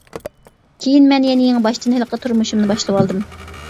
كېيىن مەن يەنە يېڭىباشتىن ھېلىقى تۇرمۇشۇمنى باشلىۋالدىم.